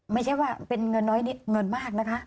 ไม่ใช่ว่าเป็นเงินน้อยเงินมากนะคะ